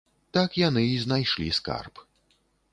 Так яны і знайшлі скарб.